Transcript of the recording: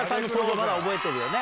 まだ覚えてるよね。